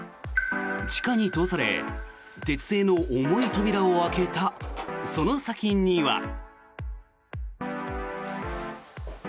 地下に通され鉄製の重い扉を開けたその先には。